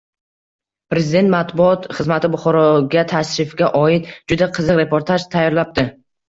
Prezident matbuot xizmati Buxoroga tashrifga oid juda qiziq reportaj tayyorlabdi.